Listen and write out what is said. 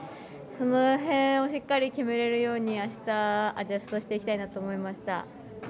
その辺をしっかり決めれるようにあしたアジャストしていきたいなと思いました。